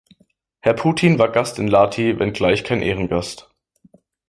Herr Putin war Gast in Lahti, wenngleich kein Ehrengast.